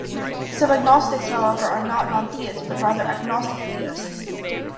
Some agnostics, however, are not nontheists but rather agnostic theists.